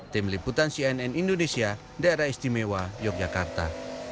tim liputan cnn indonesia daerah istimewa yogyakarta